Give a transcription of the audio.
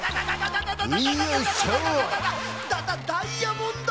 ダダイヤモンド！